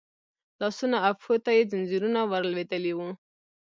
لاسونو او پښو ته يې ځنځيرونه ور لوېدلي وو.